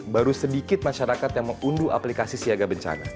baru sedikit masyarakat yang mengunduh aplikasi siaga bencana